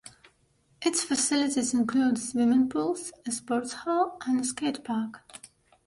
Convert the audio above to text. Its facilities include swimming pools, a sports hall, and a skatepark.